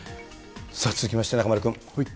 続きまして、中丸君。